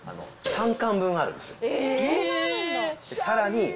さらに。